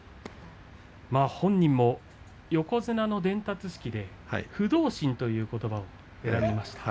本人も横綱の伝達式で不動心ということばを選びました。